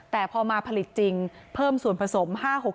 แต่พอมาผลิตจริงเพิ่มส่วนผสม๕๖๖